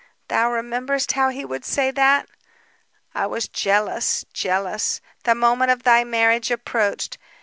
Thou rememberest how he would say that? "I was jealous, jealous! The moment of thy marriage approached.